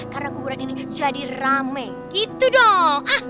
karena kuburan ini jadi rame gitu dong